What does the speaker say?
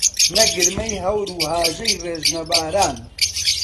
نە گرمەی هەور و هاژەی ڕێژنە باران